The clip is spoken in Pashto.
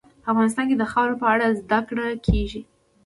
افغانستان کې د خاوره په اړه زده کړه کېږي.